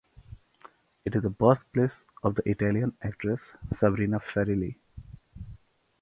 It is the birthplace of the Italian actress Sabrina Ferilli.